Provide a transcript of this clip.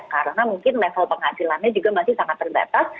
karena mungkin level penghasilannya juga masih sangat terbatas